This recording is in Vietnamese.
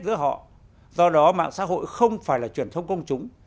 giữa họ do đó mạng xã hội không phải là truyền thông công chúng